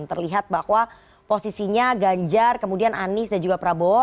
terlihat bahwa posisinya ganjar kemudian anies dan juga prabowo